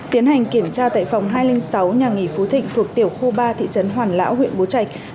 tiến hành kiểm tra tại phòng hai trăm linh sáu nhà nghỉ phú thịnh thuộc tiểu khu ba thị trấn hoàn lão huyện bố trạch